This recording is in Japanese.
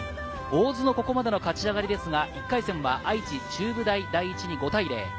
大津のここまでの勝ち上がりですが、１回戦は愛知・中部大第一に５対０。